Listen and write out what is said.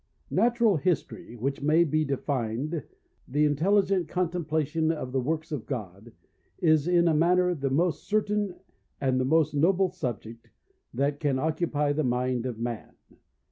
* Natural History, which may be defined t'ie intelligent contemplation of the works of God, is in a manner the most certain and the most noble sub ject, that can occupy the mind of man.